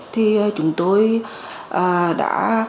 thì chúng tôi đã